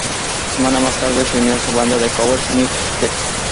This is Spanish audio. Semanas más tarde, se unió a su banda de covers, Next Step.